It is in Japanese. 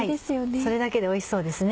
それだけでおいしそうですね。